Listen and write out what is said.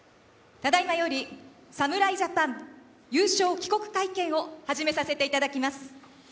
ただいまより侍ジャパン優勝帰国会見を始めさせていただきます。